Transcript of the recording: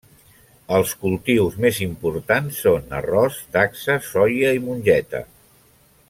Els cultius més importants són: arròs, dacsa, soia i mongeta.